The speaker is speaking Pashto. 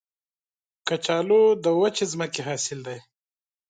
کچالو د وچې ځمکې حاصل دی